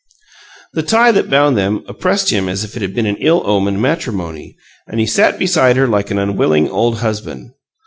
The tie that bound them oppressed him as if it had been an ill omened matrimony, and he sat beside her like an unwilling old husband.